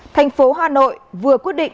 thành phố hà nội vừa quyết định